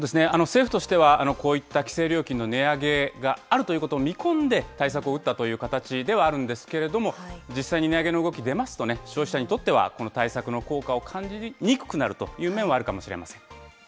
政府としては、こういった規制料金の値上げがあるということを見込んで、対策を打ったという形ではあるんですけれども、実際に値上げの動き出ますとね、消費者にとってはこの対策の効果を感じにくくなるという面はあるかもしれません。